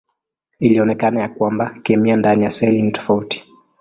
Ilionekana ya kwamba kemia ndani ya seli ni tofauti.